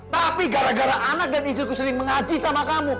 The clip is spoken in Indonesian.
tapi gara gara anak dan istriku sering mengaji sama kamu